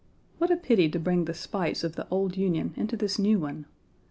What a pity to bring the spites of the old Union into this new one!